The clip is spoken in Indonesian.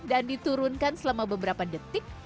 dan diturunkan selama beberapa detik